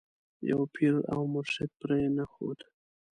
یو پیر او مرشد پرې نه ښود.